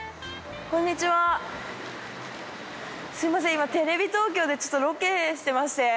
今テレビ東京でちょっとロケしてまして。